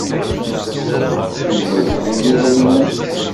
Yella yeḥwaj idrimen.